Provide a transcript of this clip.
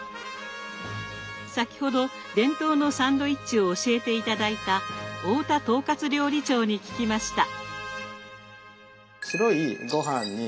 先ほど伝統のサンドイッチを教えて頂いた太田統括料理長に聞きました。